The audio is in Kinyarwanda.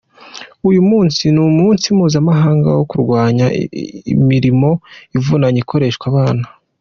Uyu munsi ni umunsi mpuzamahanga wo kurwanya imirimo ivunanye Ikoreshwa abana.